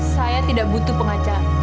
saya tidak butuh pengacara